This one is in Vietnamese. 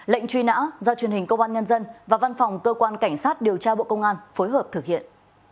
lệnh truy nã do truyền hình công an nhân dân và văn phòng cơ quan cảnh sát điều tra bộ công an phối hợp thực hiện